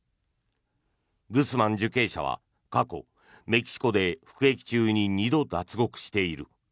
グスマン受刑者は過去、メキシコで服役中に２度脱獄している。